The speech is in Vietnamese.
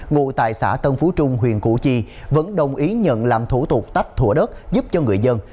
ngụ tại xã tân phú trung huyện củ chi vẫn đồng ý nhận làm thủ tục tách thủa đất giúp cho người dân